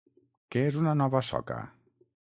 Què és una nova soca?